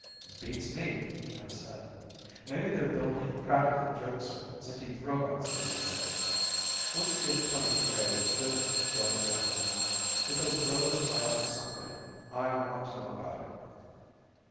"Beats me," I said. "Maybe they're building practical joke circuits into robots these days. Let's give 22A a good going over, Min. If those robes are up to something I want to know about it."